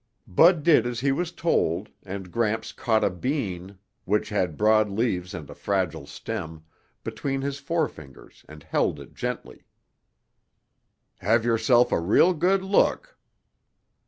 Bud did as he was told and Gramps caught a bean, which had broad leaves and a fragile stem, between his forefingers and held it gently. "Have yourself a real good look."